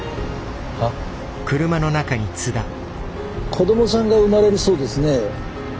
子どもさんが生まれるそうですね。